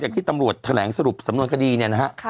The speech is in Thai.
อย่างที่ตำรวจแถลงสรุปสำนวนคดีเนี่ยนะครับ